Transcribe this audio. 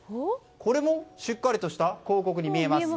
これもしっかりとした広告に見えます。